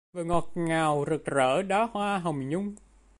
Vừa ngọt ngào rực rỡ đóa hồng nhung?